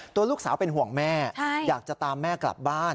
ตัวลูกสาวเป็นห่วงแม่อยากจะตามแม่กลับบ้าน